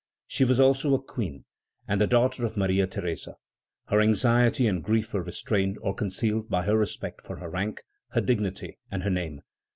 She was also a queen, and the daughter of Maria Theresa. Her anxiety and grief were restrained or concealed by her respect for her rank, her dignity, and her name.